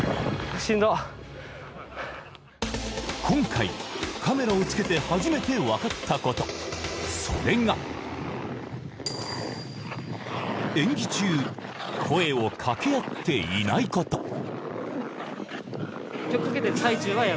今回カメラをつけて初めて分かったこと、それが、演技中、声をかけ合っていないこと。